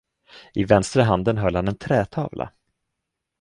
I vänstra handen höll han en trätavla.